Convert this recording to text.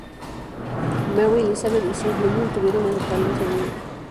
Mary Elizabeth y Sir William tuvieron en total once niños.